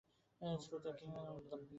শ্রুতেন কিং যো ন চ ধর্মমাচরেৎ।